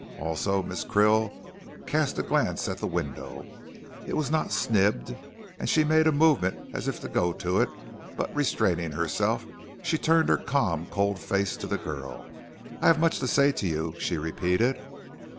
Also, Miss Krill cast a glance at the window. It was not snibbed, and she made a movement as if to go to it; but, restraining herself, she turned her calm, cold face to the girl. "I have much to say to you," she repeated.